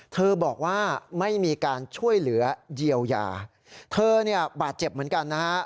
เธอบอกว่าไม่มีการช่วยเหลือเยียวยาเธอเนี่ยบาดเจ็บเหมือนกันนะฮะ